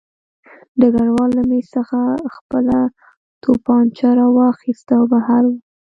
ډګروال له مېز څخه خپله توپانچه راواخیسته او بهر ووت